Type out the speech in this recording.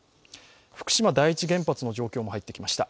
福島第一原発の状況も入ってきました。